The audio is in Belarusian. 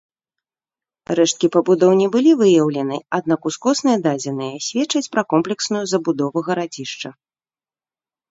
Рэшткі пабудоў не былі выяўлены, аднак ускосныя дадзеныя сведчаць пра комплексную забудову гарадзішча.